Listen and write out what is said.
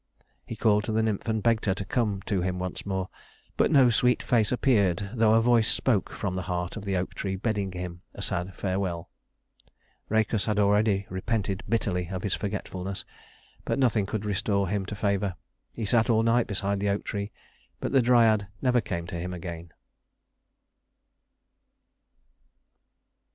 He called to the nymph and begged her to come to him once more; but no sweet face appeared though a voice spoke from the heart of the oak tree bidding him a sad farewell. Rhœcus had already repented bitterly of his forgetfulness; but nothing could restore him to favor. He sat all night beside the oak tree, but the Dryad never came to him again.